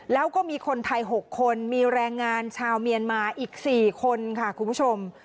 แล้วก็มีคนไทย๖คนมีแรงงานชาวเมียนมาอีก๔คนค่ะคุณผู้ชม